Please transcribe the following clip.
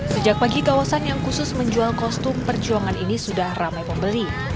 sejak pagi kawasan yang khusus menjual kostum perjuangan ini sudah ramai pembeli